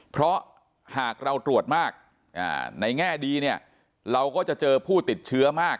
เพราะหากเราตรวจมากในแง่ดีเนี่ยเราก็จะเจอผู้ติดเชื้อมาก